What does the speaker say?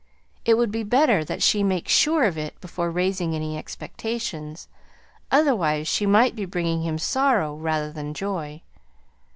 It would be better that she make sure of it before raising any expectations, otherwise she might be bringing him sorrow rather than joy.